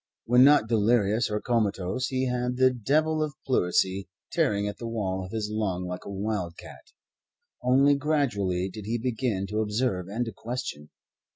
When not delirious or comatose, he had the devil of pleurisy tearing at the wall of his lung like a wild cat. Only gradually did he begin to observe and to question.